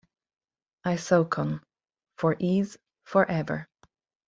Isokon: For Ease, For Ever.